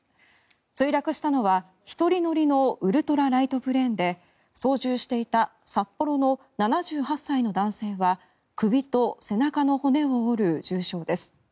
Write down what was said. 墜落したのは１人乗りのウルトラライトプレーンで操縦していた札幌の７８歳の男性は首と背中の骨を折る重傷です。